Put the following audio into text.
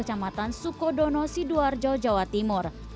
kecamatan sukodono sidoarjo jawa timur